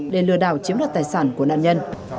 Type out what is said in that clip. để lừa đảo chiếm đoạt tài sản của nạn nhân